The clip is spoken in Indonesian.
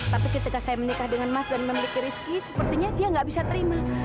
tapi ketika saya menikah dengan mas dan memiliki rizky sepertinya dia nggak bisa terima